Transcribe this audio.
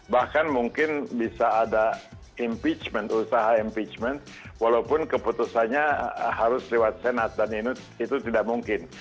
bahkan mungkin bisa ada impeachment usaha impeachment walaupun keputusannya harus lewat senat dan itu tidak mungkin